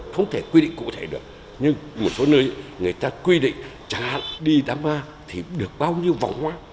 không thể quy định cụ thể được nhưng một số nơi người ta quy định chẳng hạn đi đám ma thì được bao nhiêu vòng hoa